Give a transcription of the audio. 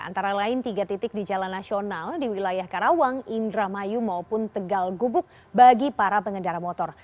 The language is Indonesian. antara lain tiga titik di jalan nasional di wilayah karawang indramayu maupun tegal gubuk bagi para pengendara motor